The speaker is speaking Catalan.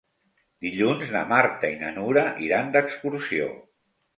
Dilluns na Marta i na Nura iran d'excursió.